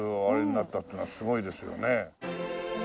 あれになったっていうのはすごいですよね。